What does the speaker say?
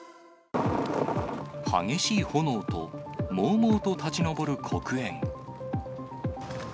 激しい炎と、もうもうと立ち上る黒煙。